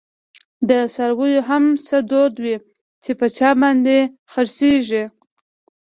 د څارویو هم څه دود وی، چی په چا باندي خر څیږی